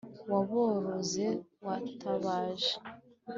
waboroze watabaje